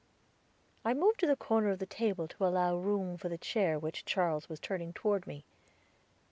I moved to the corner of the table to allow room for the chair which Charles was turning toward me.